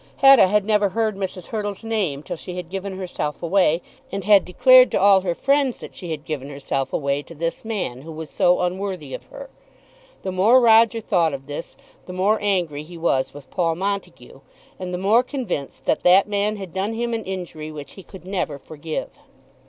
Hetta had never heard Mrs. Hurtle's name till she had given herself away, and had declared to all her friends that she had given herself away to this man, who was so unworthy of her. The more Roger thought of this, the more angry he was with Paul Montague, and the more convinced that that man had done him an injury which he could never forgive.